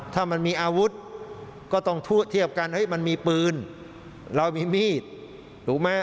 ถ้ามันมีอาวุธก็ต้องเทียบกันเฮ้ยมันมีปืนเรามีมีดถูกไหม